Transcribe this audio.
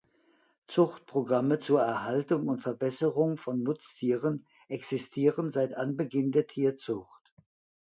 Zuchtprogramme zur Erhaltung und Verbesserung von Nutztieren existieren seit Anbeginn der Tierzucht.